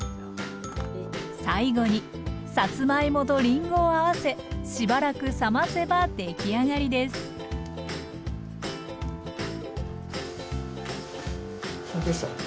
最後にさつまいもとりんごを合わせしばらく冷ませば出来上がりです・どうでしょう？